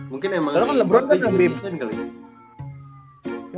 mungkin emang si mbappe juga desain kali ya